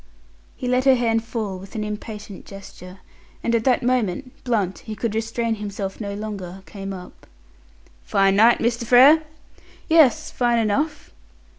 He let her hand fall with an impatient gesture; and at that moment Blunt who could restrain himself no longer came up. "Fine night, Mr. Frere?" "Yes, fine enough."